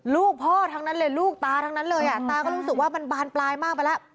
ลูกพ่อทั้งนั้นเลยลูกตาทั้งนั้นเลยอ่ะตาก็รู้สึกว่ามันบานปลายมากไปแล้ว